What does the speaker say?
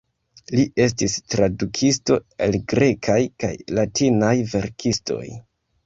Li estis tradukisto el grekaj kaj latinaj verkistoj.